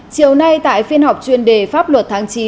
chiều nay tại phiên họp chuyên đề pháp luật tháng chín